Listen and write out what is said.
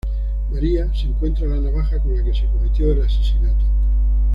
María se encuentra la navaja con la que se cometió el asesinato.